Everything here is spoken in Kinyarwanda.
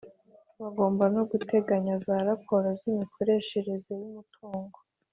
Bagomba no guteganya za raporo z’ imikoreshereze y’umutungo